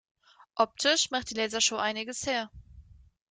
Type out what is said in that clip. Optisch macht die Lasershow einiges her.